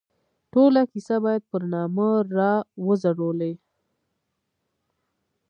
ټوله کیسه باید پر نامه را وڅورلي.